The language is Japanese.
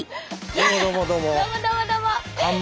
どうもどうもどうも。